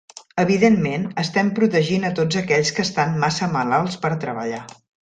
Evidentment, estem protegint a tots aquells que "estan massa malalts per treballar".